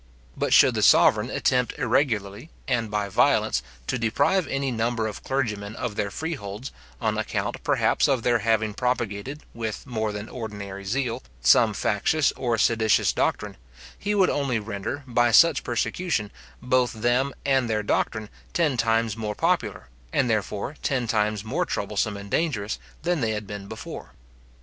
But should the sovereign attempt irregularly, and by violence, to deprive any number of clergymen of their freeholds, on account, perhaps, of their having propagated, with more than ordinary zeal, some factious or seditious doctrine, he would only render, by such persecution, both them and their doctrine ten times more popular, and therefore ten times more troublesome and dangerous, than they had been before.